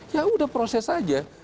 ya sudah proses saja